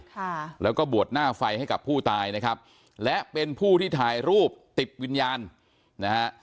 ค่ะแล้วก็บวชหน้าไฟให้กับผู้ตายนะครับและเป็นผู้ที่ถ่ายรูปติดวิญญาณนะฮะ